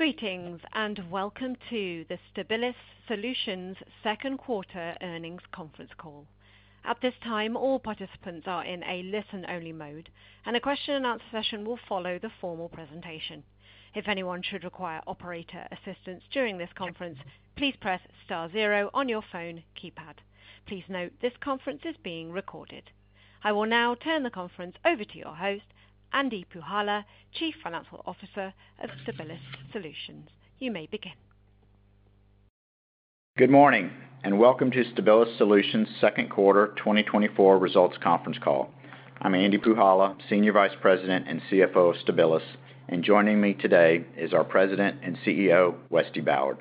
Greetings, and welcome to the Stabilis Solutions Second Quarter Earnings Conference Call. At this time, all participants are in a listen-only mode, and a question-and-answer session will follow the formal presentation. If anyone should require operator assistance during this conference, please press star zero on your phone keypad. Please note, this conference is being recorded. I will now turn the conference over to your host, Andy Puhalla, Chief Financial Officer of Stabilis Solutions. You may begin. Good morning, and welcome to Stabilis Solutions Second Quarter 2024 Results Conference Call. I'm Andy Puhalla, Senior Vice President and CFO of Stabilis, and joining me today is our President and CEO, Westy Ballard.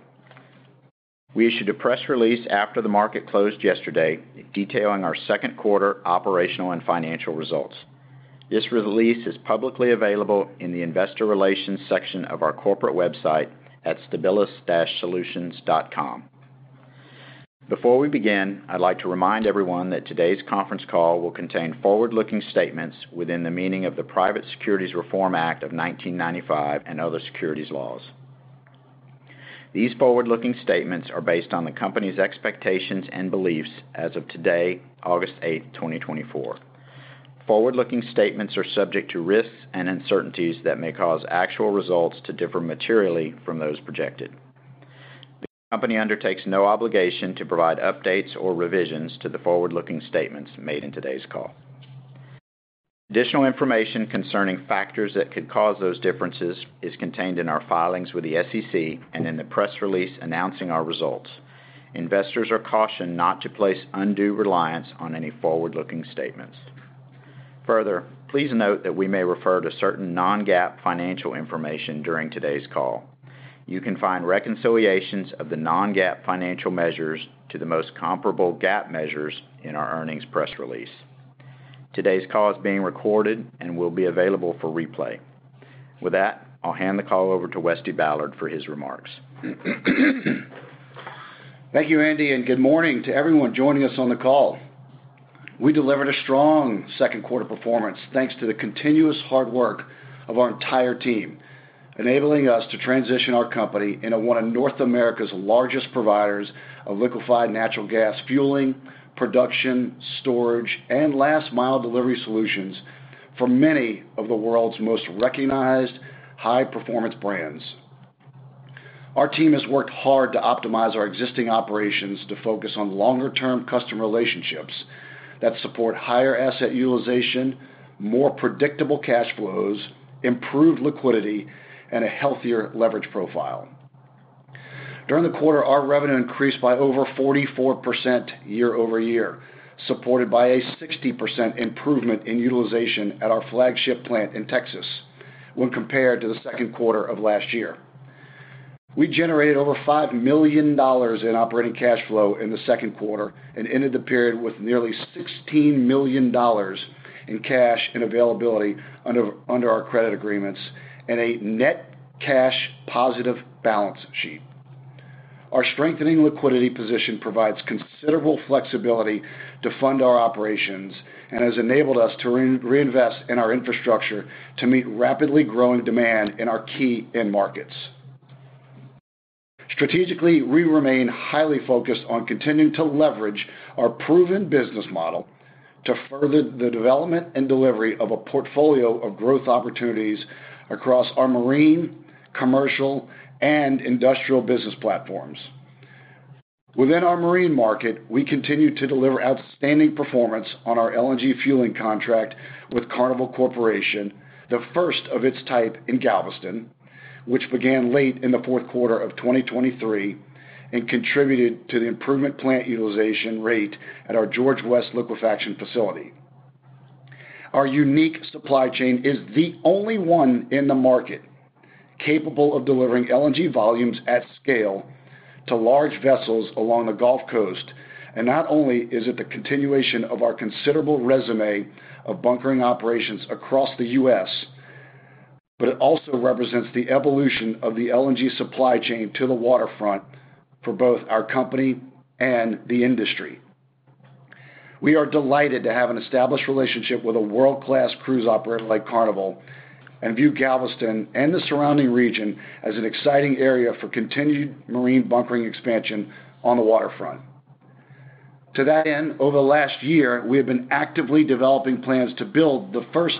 We issued a press release after the market closed yesterday, detailing our second quarter operational and financial results. This release is publicly available in the investor relations section of our corporate website at stabilis-solutions.com. Before we begin, I'd like to remind everyone that today's conference call will contain forward-looking statements within the meaning of the Private Securities Litigation Reform Act of 1995 and other securities laws. These forward-looking statements are based on the company's expectations and beliefs as of today, August 8, 2024. Forward-looking statements are subject to risks and uncertainties that may cause actual results to differ materially from those projected. The company undertakes no obligation to provide updates or revisions to the forward-looking statements made in today's call. Additional information concerning factors that could cause those differences is contained in our filings with the SEC and in the press release announcing our results. Investors are cautioned not to place undue reliance on any forward-looking statements. Further, please note that we may refer to certain non-GAAP financial information during today's call. You can find reconciliations of the non-GAAP financial measures to the most comparable GAAP measures in our earnings press release. Today's call is being recorded and will be available for replay. With that, I'll hand the call over to Westy Ballard for his remarks. Thank you, Andy, and good morning to everyone joining us on the call. We delivered a strong second quarter performance, thanks to the continuous hard work of our entire team, enabling us to transition our company into one of North America's largest providers of liquefied natural gas fueling, production, storage, and last mile delivery solutions for many of the world's most recognized high-performance brands. Our team has worked hard to optimize our existing operations to focus on longer-term customer relationships that support higher asset utilization, more predictable cash flows, improved liquidity, and a healthier leverage profile. During the quarter, our revenue increased by over 44% year-over-year, supported by a 60% improvement in utilization at our flagship plant in Texas when compared to the second quarter of last year. We generated over $5 million in operating cash flow in the second quarter and ended the period with nearly $16 million in cash and availability under our credit agreements and a net cash positive balance sheet. Our strengthening liquidity position provides considerable flexibility to fund our operations and has enabled us to reinvest in our infrastructure to meet rapidly growing demand in our key end markets. Strategically, we remain highly focused on continuing to leverage our proven business model to further the development and delivery of a portfolio of growth opportunities across our marine, commercial, and industrial business platforms. Within our marine market, we continue to deliver outstanding performance on our LNG fueling contract with Carnival Corporation, the first of its type in Galveston, which began late in the fourth quarter of 2023 and contributed to the improvement plant utilization rate at our George West liquefaction facility. Our unique supply chain is the only one in the market capable of delivering LNG volumes at scale to large vessels along the Gulf Coast, and not only is it the continuation of our considerable résumé of bunkering operations across the U.S., but it also represents the evolution of the LNG supply chain to the waterfront for both our company and the industry. We are delighted to have an established relationship with a world-class cruise operator like Carnival, and view Galveston and the surrounding region as an exciting area for continued marine bunkering expansion on the waterfront. To that end, over the last year, we have been actively developing plans to build the first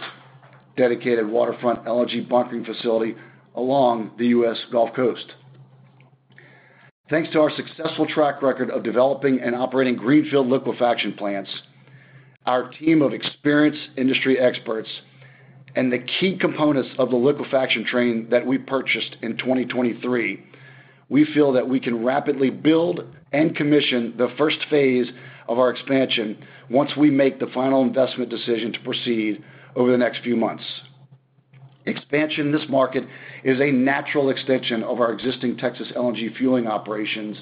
dedicated waterfront LNG bunkering facility along the U.S. Gulf Coast. Thanks to our successful track record of developing and operating greenfield liquefaction plants, our team of experienced industry experts, and the key components of the liquefaction train that we purchased in 2023, we feel that we can rapidly build and commission the first phase of our expansion once we make the final investment decision to proceed over the next few months. Expansion in this market is a natural extension of our existing Texas LNG fueling operations,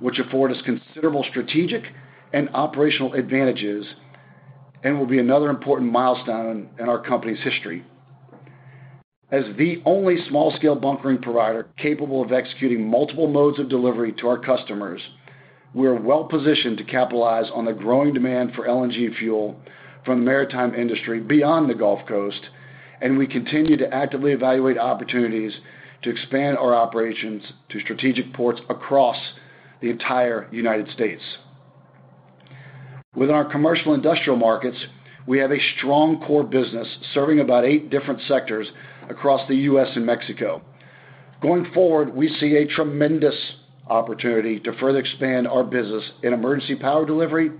which afford us considerable strategic and operational advantages and will be another important milestone in our company's history. As the only small-scale bunkering provider capable of executing multiple modes of delivery to our customers-... We are well positioned to capitalize on the growing demand for LNG fuel from the maritime industry beyond the Gulf Coast, and we continue to actively evaluate opportunities to expand our operations to strategic ports across the entire United States. Within our commercial industrial markets, we have a strong core business serving about eight different sectors across the U.S. and Mexico. Going forward, we see a tremendous opportunity to further expand our business in emergency power delivery,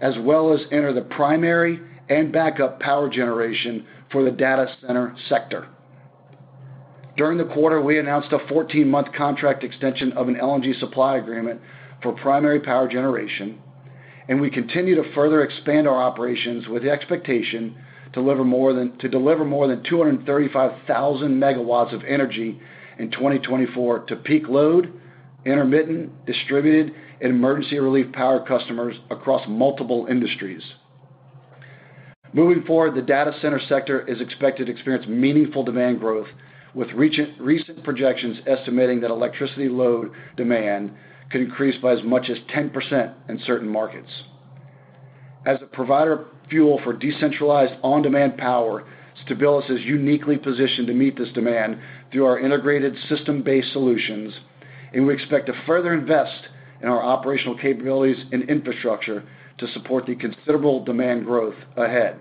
as well as enter the primary and backup power generation for the data center sector. During the quarter, we announced a 14-month contract extension of an LNG supply agreement for primary power generation, and we continue to further expand our operations with the expectation to deliver more than 235,000 megawatts of energy in 2024 to peak load, intermittent, distributed, and emergency relief power customers across multiple industries. Moving forward, the data center sector is expected to experience meaningful demand growth, with recent projections estimating that electricity load demand could increase by as much as 10% in certain markets. As a provider of fuel for decentralized on-demand power, Stabilis is uniquely positioned to meet this demand through our integrated system-based solutions, and we expect to further invest in our operational capabilities and infrastructure to support the considerable demand growth ahead.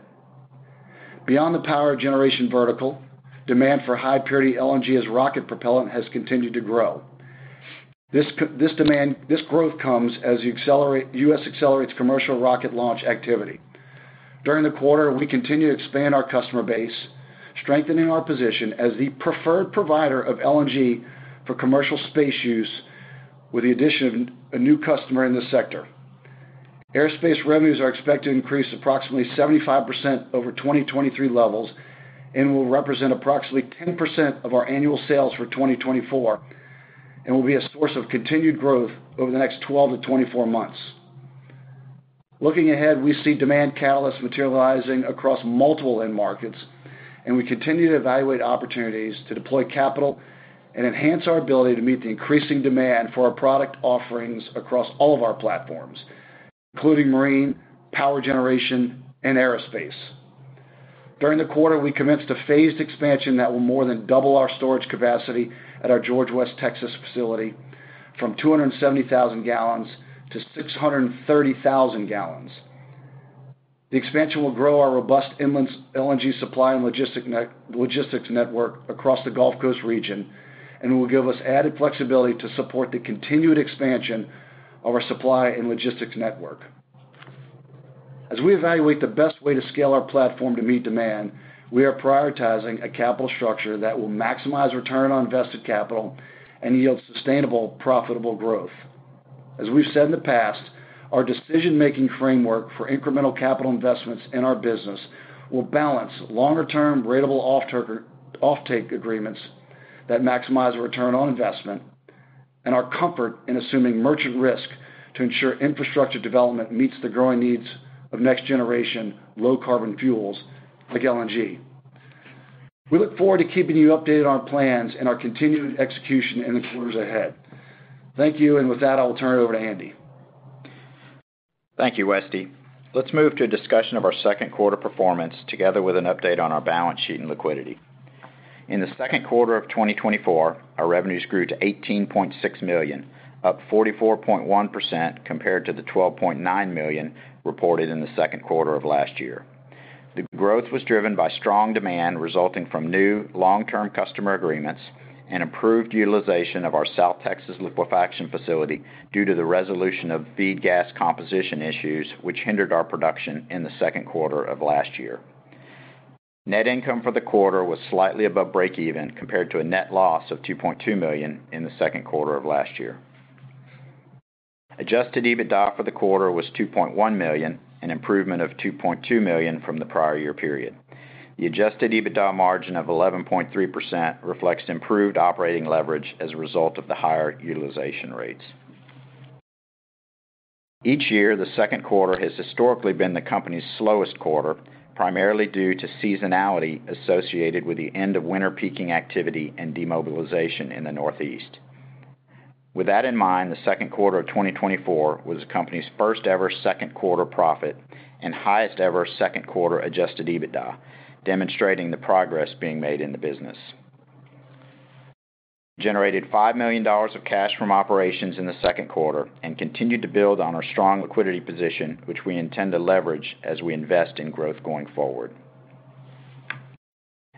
Beyond the power generation vertical, demand for high-purity LNG as rocket propellant has continued to grow. This growth comes as the U.S. accelerates commercial rocket launch activity. During the quarter, we continued to expand our customer base, strengthening our position as the preferred provider of LNG for commercial space use, with the addition of a new customer in the sector. Aerospace revenues are expected to increase approximately 75% over 2023 levels and will represent approximately 10% of our annual sales for 2024 and will be a source of continued growth over the next 12-24 months. Looking ahead, we see demand catalysts materializing across multiple end markets, and we continue to evaluate opportunities to deploy capital and enhance our ability to meet the increasing demand for our product offerings across all of our platforms, including marine, power generation, and aerospace. During the quarter, we commenced a phased expansion that will more than double our storage capacity at our George West, Texas, facility from 270,000 gallons to 630,000 gallons. The expansion will grow our robust inland LNG supply and logistics network across the Gulf Coast region and will give us added flexibility to support the continued expansion of our supply and logistics network. As we evaluate the best way to scale our platform to meet demand, we are prioritizing a capital structure that will maximize return on invested capital and yield sustainable, profitable growth. As we've said in the past, our decision-making framework for incremental capital investments in our business will balance longer-term ratable offtake agreements that maximize return on investment and our comfort in assuming merchant risk to ensure infrastructure development meets the growing needs of next-generation low-carbon fuels like LNG. We look forward to keeping you updated on our plans and our continued execution in the quarters ahead. Thank you, and with that, I'll turn it over to Andy. Thank you, Westy. Let's move to a discussion of our second quarter performance, together with an update on our balance sheet and liquidity. In the second quarter of 2024, our revenues grew to $18.6 million, up 44.1% compared to the $12.9 million reported in the second quarter of last year. The growth was driven by strong demand resulting from new long-term customer agreements and improved utilization of our South Texas liquefaction facility due to the resolution of feed gas composition issues, which hindered our production in the second quarter of last year. Net income for the quarter was slightly above break even, compared to a net loss of $2.2 million in the second quarter of last year. Adjusted EBITDA for the quarter was $2.1 million, an improvement of $2.2 million from the prior year period. The Adjusted EBITDA margin of 11.3% reflects improved operating leverage as a result of the higher utilization rates. Each year, the second quarter has historically been the company's slowest quarter, primarily due to seasonality associated with the end of winter peaking activity and demobilization in the Northeast. With that in mind, the second quarter of 2024 was the company's first-ever second quarter profit and highest-ever second quarter Adjusted EBITDA, demonstrating the progress being made in the business. Generated $5 million of cash from operations in the second quarter and continued to build on our strong liquidity position, which we intend to leverage as we invest in growth going forward.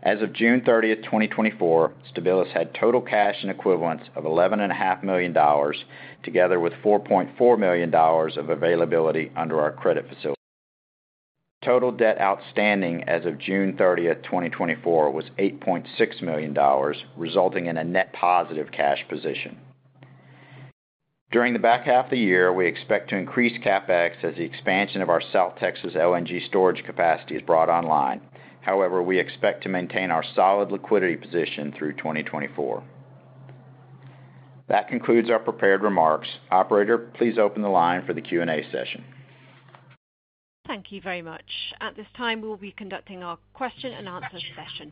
As of June 30th, 2024, Stabilis had total cash and equivalents of $11.5 million, together with $4.4 million of availability under our credit facility. Total debt outstanding as of June 30, 2024, was $8.6 million, resulting in a net positive cash position. During the back half of the year, we expect to increase CapEx as the expansion of our South Texas LNG storage capacity is brought online. However, we expect to maintain our solid liquidity position through 2024. That concludes our prepared remarks. Operator, please open the line for the Q&A session. ...Thank you very much. At this time, we'll be conducting our question and answer session.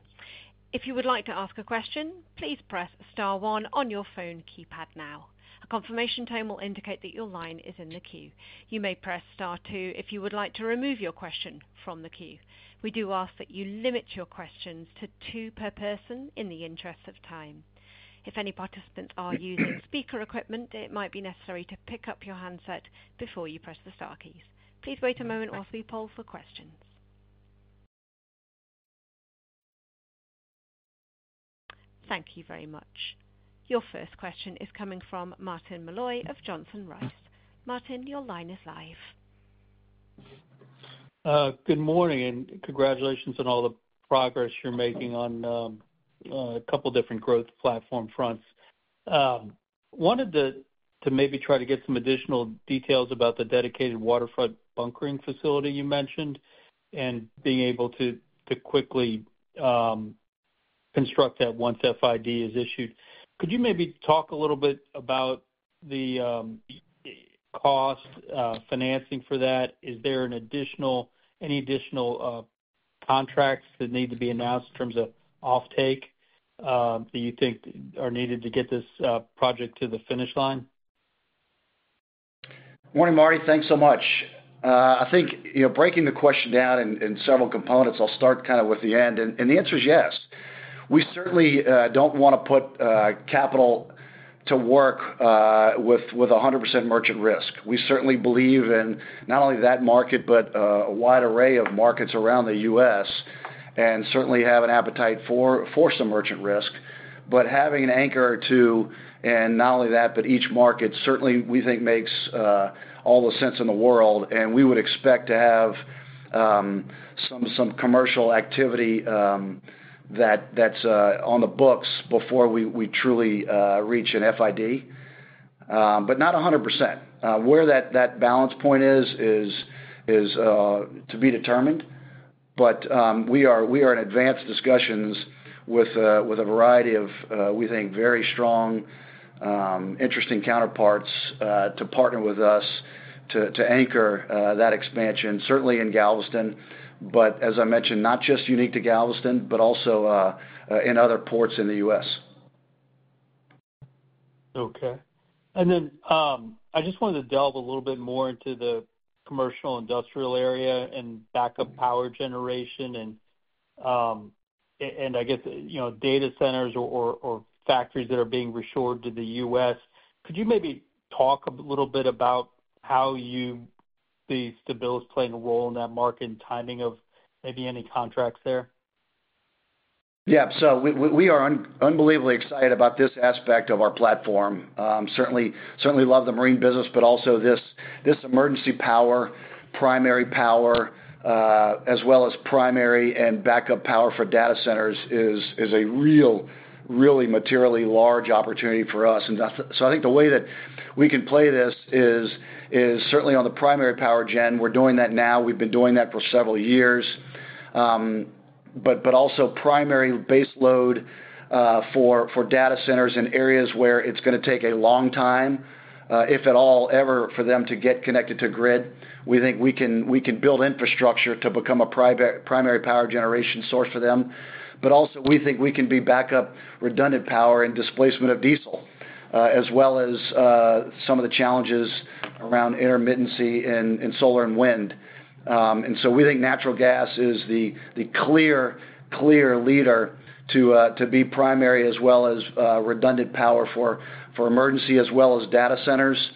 If you would like to ask a question, please press star one on your phone keypad now. A confirmation tone will indicate that your line is in the queue. You may press star two if you would like to remove your question from the queue. We do ask that you limit your questions to two per person in the interest of time. If any participants are using speaker equipment, it might be necessary to pick up your handset before you press the star keys. Please wait a moment while we poll for questions. Thank you very much. Your first question is coming from Martin Malloy of Johnson Rice. Martin, your line is live. Good morning, and congratulations on all the progress you're making on a couple different growth platform fronts. Wanted to maybe try to get some additional details about the dedicated waterfront bunkering facility you mentioned, and being able to quickly construct that once FID is issued. Could you maybe talk a little bit about the cost, financing for that? Is there any additional contracts that need to be announced in terms of offtake that you think are needed to get this project to the finish line? Morning, Martin. Thanks so much. I think, you know, breaking the question down in several components, I'll start kind of with the end, and the answer is yes. We certainly don't wanna put capital to work with 100% merchant risk. We certainly believe in not only that market, but a wide array of markets around the U.S., and certainly have an appetite for some merchant risk. But having an anchor or two, and not only that, but each market, certainly we think makes all the sense in the world, and we would expect to have some commercial activity that's on the books before we truly reach an FID, but not a 100%. Where that balance point is to be determined, but we are in advanced discussions with a variety of, we think, very strong, interesting counterparts to partner with us to anchor that expansion, certainly in Galveston, but as I mentioned, not just unique to Galveston, but also in other ports in the U.S. Okay. And then, I just wanted to delve a little bit more into the commercial industrial area and backup power generation and, and I guess, you know, data centers or, or, or factories that are being reshored to the U.S.. Could you maybe talk a little bit about how you see Stabilis playing a role in that market and timing of maybe any contracts there? Yeah. So we are unbelievably excited about this aspect of our platform. Certainly love the marine business, but also this emergency power, primary power, as well as primary and backup power for data centers is a really materially large opportunity for us. And that's so I think the way that we can play this is certainly on the primary power gen. We're doing that now. We've been doing that for several years. But also primary baseload for data centers in areas where it's gonna take a long time, if at all, ever, for them to get connected to grid. We think we can build infrastructure to become a primary power generation source for them. But also, we think we can be backup redundant power and displacement of diesel, as well as some of the challenges around intermittency in solar and wind. And so we think natural gas is the clear leader to be primary as well as redundant power for emergency as well as data centers.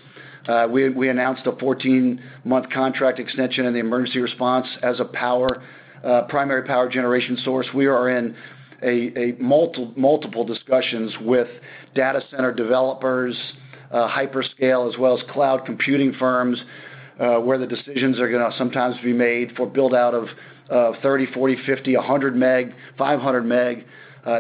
We announced a 14-month contract extension in the emergency response as a power, primary power generation source. We are in multiple discussions with data center developers, hyperscale, as well as cloud computing firms, where the decisions are gonna sometimes be made for build-out of 30, 40, 50, 100 meg, 500 meg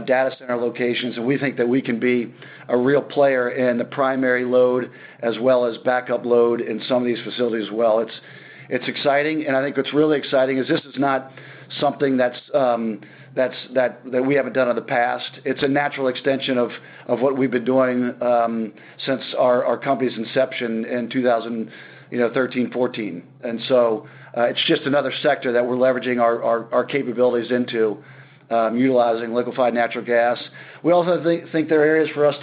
data center locations. We think that we can be a real player in the primary load as well as backup load in some of these facilities as well. It's exciting, and I think what's really exciting is this is not something that we haven't done in the past. It's a natural extension of what we've been doing since our company's inception in 2013, 2014. And so, it's just another sector that we're leveraging our capabilities into, utilizing liquefied natural gas. We also think there are areas for us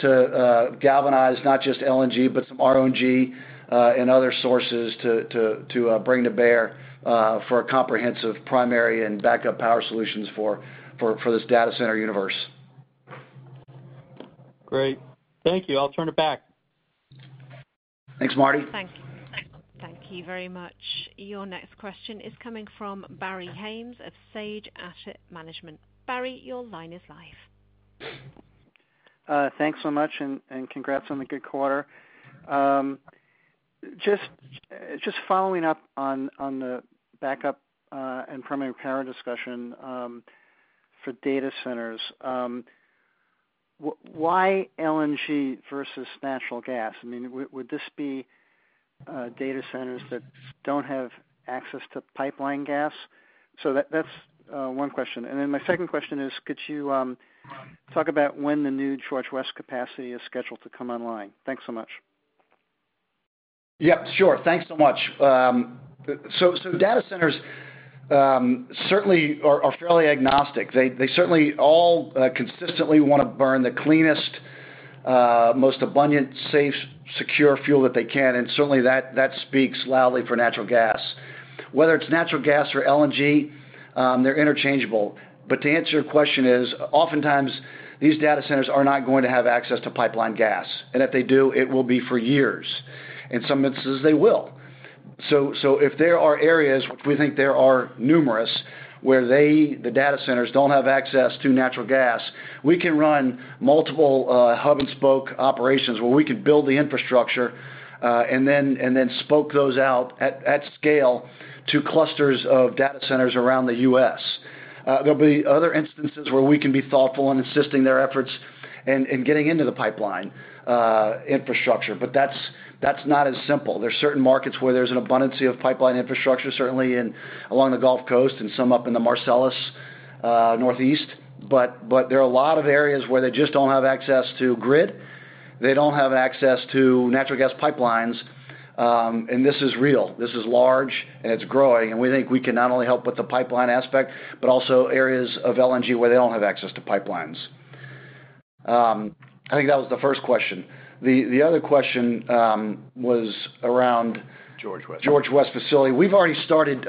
to galvanize not just LNG, but some RNG and other sources to bring to bear for a comprehensive primary and backup power solutions for this data center universe. Great. Thank you. I'll turn it back. Thanks, Martin. Thank you very much. Your next question is coming from Barry Haimes of Sage Asset Management. Barry, your line is live. Thanks so much, and congrats on the good quarter. Just following up on the backup and primary power discussion for data centers. Why LNG vs natural gas? I mean, would this be data centers that don't have access to pipeline gas? That's one question. And then my second question is: could you talk about when the new George West capacity is scheduled to come online? Thanks so much. Yep, sure. Thanks so much. So data centers certainly are fairly agnostic. They certainly all consistently want to burn the cleanest, most abundant, safe, secure fuel that they can, and certainly that speaks loudly for natural gas. Whether it's natural gas or LNG, they're interchangeable. But to answer your question is, oftentimes, these data centers are not going to have access to pipeline gas, and if they do, it will be for years. In some instances, they will. So if there are areas, we think there are numerous, where they, the data centers, don't have access to natural gas, we can run multiple hub and spoke operations, where we can build the infrastructure, and then spoke those out at scale to clusters of data centers around the U.S.. There'll be other instances where we can be thoughtful in assisting their efforts in getting into the pipeline infrastructure, but that's not as simple. There are certain markets where there's an abundance of pipeline infrastructure, certainly in along the Gulf Coast and some up in the Marcellus Northeast. But there are a lot of areas where they just don't have access to grid. They don't have access to natural gas pipelines, and this is real. This is large, and it's growing, and we think we can not only help with the pipeline aspect, but also areas of LNG where they don't have access to pipelines. I think that was the first question. The other question was around- George West. George West facility. We've already started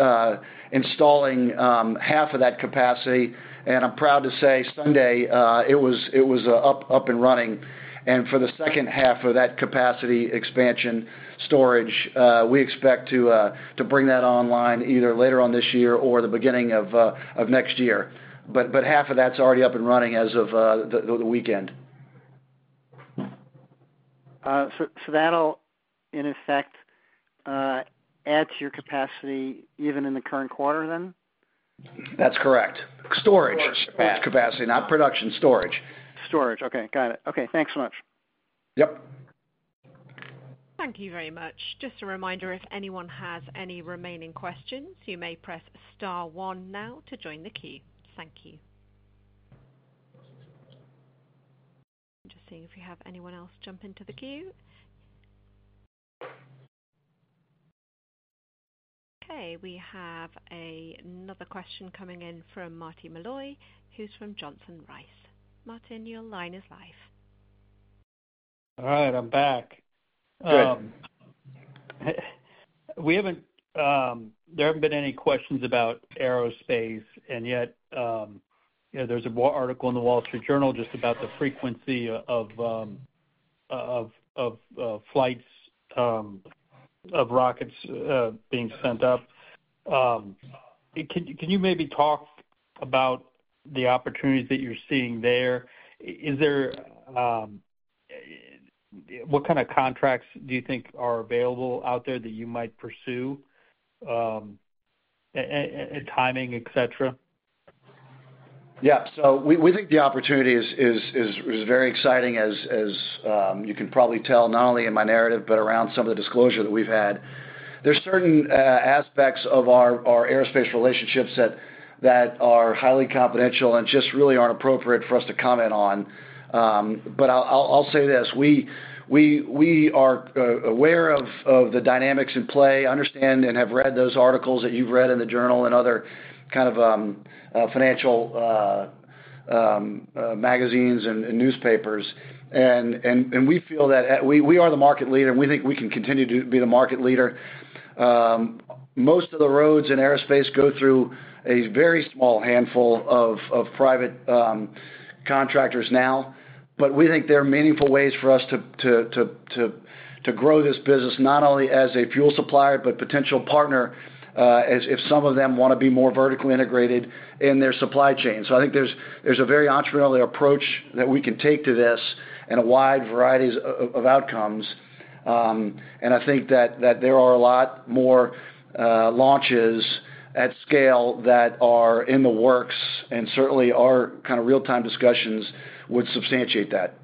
installing half of that capacity, and I'm proud to say, Sunday, it was up and running. And for the second half of that capacity expansion storage, we expect to bring that online either later on this year or the beginning of next year. But half of that's already up and running as of the weekend. So, that'll, in effect, add to your capacity even in the current quarter then? That's correct. Storage- Storage. capacity, not production, storage. Storage. Okay, got it. Okay, thanks so much. Yep. Thank you very much. Just a reminder, if anyone has any remaining questions, you may press star one now to join the queue. Thank you. I'm just seeing if we have anyone else jump into the queue. Okay, we have another question coming in from Martin Malloy, who's from Johnson Rice. Martin, your line is live. All right, I'm back. Good. There haven't been any questions about aerospace, and yet, you know, there's a Wall Street article in The Wall Street Journal just about the frequency of flights of rockets being sent up. Can you maybe talk about the opportunities that you're seeing there? What kind of contracts do you think are available out there that you might pursue, and timing, et cetera? Yeah. So we think the opportunity is very exciting as you can probably tell, not only in my narrative, but around some of the disclosure that we've had. There's certain aspects of our aerospace relationships that are highly confidential and just really aren't appropriate for us to comment on. But I'll say this, we are aware of the dynamics in play, understand and have read those articles that you've read in the Journal and other kind of financial magazines and we feel that we are the market leader, and we think we can continue to be the market leader. Most of the roads in aerospace go through a very small handful of private contractors now, but we think there are meaningful ways for us to grow this business, not only as a fuel supplier, but potential partner, as if some of them want to be more vertically integrated in their supply chain. So I think there's a very entrepreneurial approach that we can take to this and a wide varieties of outcomes. And I think that there are a lot more launches at scale that are in the works, and certainly our kind of real-time discussions would substantiate that.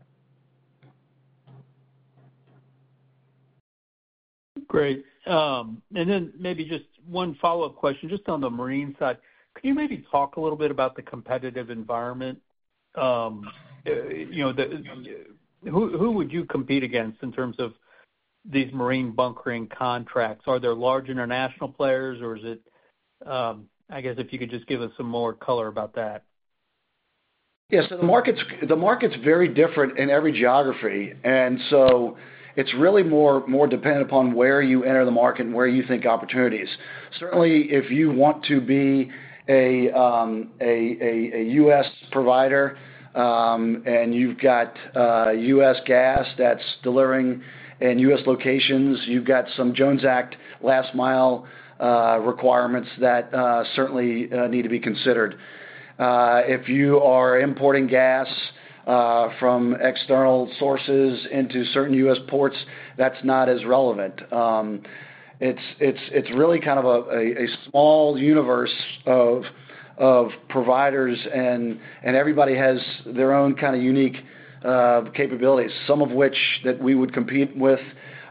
Great. And then maybe just one follow-up question, just on the marine side. Could you maybe talk a little bit about the competitive environment? You know, the... Who, who would you compete against in terms of these marine bunkering contracts? Are there large international players, or is it, I guess, if you could just give us some more color about that. Yes, so the market's very different in every geography, and so it's really more dependent upon where you enter the market and where you think opportunity is. Certainly, if you want to be a U.S. provider, and you've got U.S. gas that's delivering in U.S. locations, you've got some Jones Act last mile requirements that certainly need to be considered. If you are importing gas from external sources into certain U.S. ports, that's not as relevant. It's really kind of a small universe of providers, and everybody has their own kind of unique capabilities. Some of which that we would compete with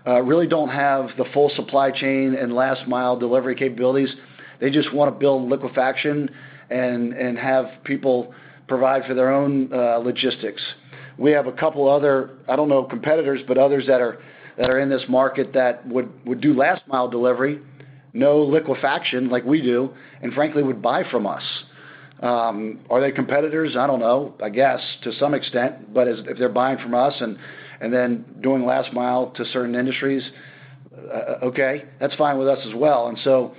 really don't have the full supply chain and last-mile delivery capabilities.... They just want to build liquefaction and have people provide for their own logistics. We have a couple other, I don't know, competitors, but others that are in this market that would do last mile delivery, no liquefaction like we do, and frankly, would buy from us. Are they competitors? I don't know. I guess, to some extent, but as if they're buying from us and then doing last mile to certain industries, okay, that's fine with us as well. And so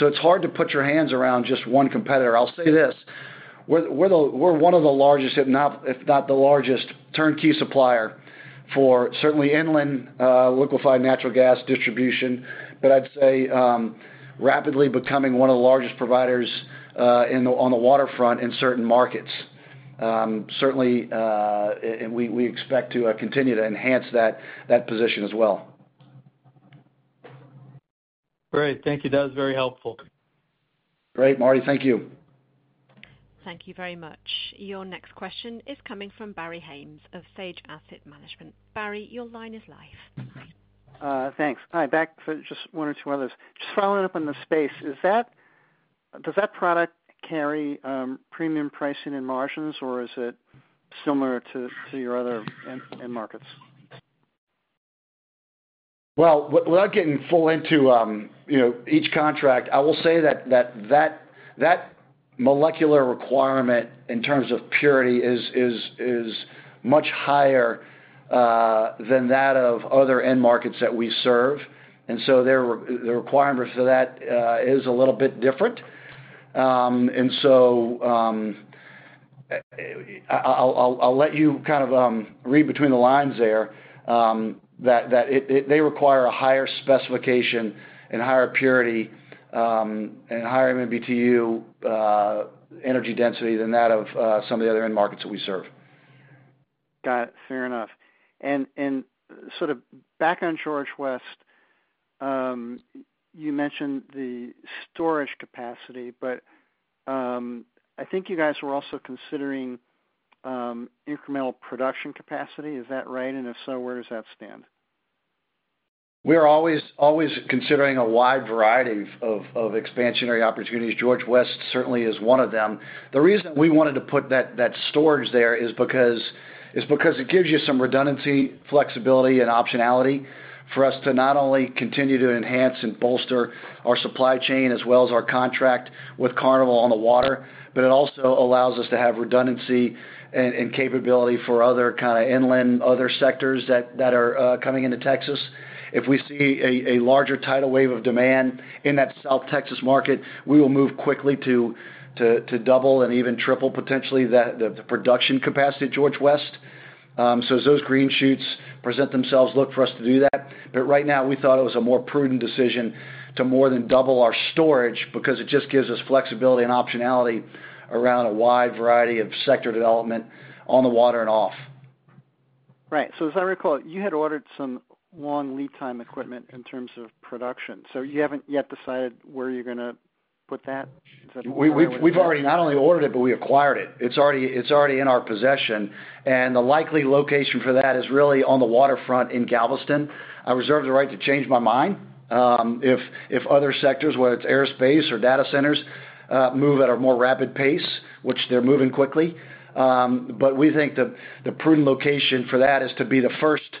it's hard to put your hands around just one competitor. I'll say this, we're one of the largest, if not the largest, turnkey supplier for certainly inland liquefied natural gas distribution, but I'd say, rapidly becoming one of the largest providers on the waterfront in certain markets. Certainly, we expect to continue to enhance that position as well. Great. Thank you. That was very helpful. Great, Marty. Thank you. Thank you very much. Your next question is coming from Barry Haimes of Sage Asset Management. Barry, your line is live. Thanks. Hi, back for just one or two others. Just following up on the space, does that product carry premium pricing and margins, or is it similar to your other end markets? Well, without getting fully into, you know, each contract, I will say that that molecular requirement in terms of purity is much higher than that of other end markets that we serve, and so the requirements for that is a little bit different. And so, I'll let you kind of read between the lines there, that they require a higher specification and higher purity, and higher MBTU energy density than that of some of the other end markets that we serve. Got it. Fair enough. And sort of back on George West, you mentioned the storage capacity, but, I think you guys were also considering incremental production capacity. Is that right? And if so, where does that stand? We are always always considering a wide variety of expansionary opportunities. George West certainly is one of them. The reason we wanted to put that storage there is because it gives you some redundancy, flexibility and optionality for us to not only continue to enhance and bolster our supply chain as well as our contract with Carnival on the water, but it also allows us to have redundancy and capability for other kind of inland, other sectors that are coming into Texas. If we see a larger tidal wave of demand in that South Texas market, we will move quickly to double and even triple, potentially, the production capacity at George West. So as those green shoots present themselves, look for us to do that. Right now, we thought it was a more prudent decision to more than double our storage because it just gives us flexibility and optionality around a wide variety of sector development on the water and off. Right. So as I recall, you had ordered some long lead time equipment in terms of production, so you haven't yet decided where you're gonna put that? Is that- We've already not only ordered it, but we acquired it. It's already in our possession, and the likely location for that is really on the waterfront in Galveston. I reserve the right to change my mind, if other sectors, whether it's aerospace or data centers, move at a more rapid pace, which they're moving quickly. But we think the prudent location for that is to be the first,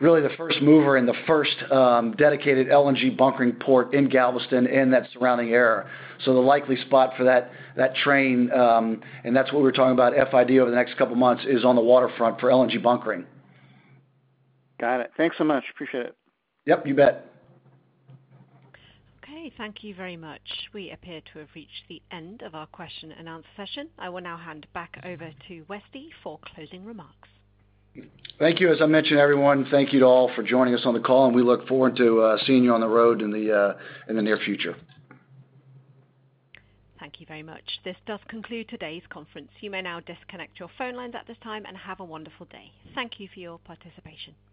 really, the first mover and the first, dedicated LNG bunkering port in Galveston and that surrounding area. So the likely spot for that train, and that's what we're talking about, FID, over the next couple of months, is on the waterfront for LNG bunkering. Got it. Thanks so much. Appreciate it. Yep, you bet. Okay, thank you very much. We appear to have reached the end of our question and answer session. I will now hand back over to Westy for closing remarks. Thank you. As I mentioned, everyone, thank you to all for joining us on the call, and we look forward to seeing you on the road in the near future. Thank you very much. This does conclude today's conference. You may now disconnect your phone lines at this time, and have a wonderful day. Thank you for your participation.